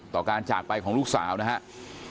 ต่อการจากไปของลูกสาวนะครับ